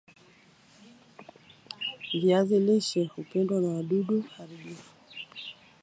Viazi lishe hupendwa na wadudu haribifu